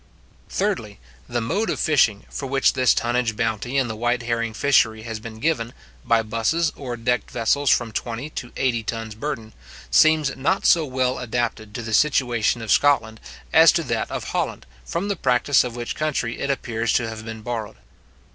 Thirdly, The mode of fishing, for which this tonnage bounty in the white herring fishery has been given (by busses or decked vessels from twenty to eighty tons burden ), seems not so well adapted to the situation of Scotland, as to that of Holland, from the practice of which country it appears to have been borrowed.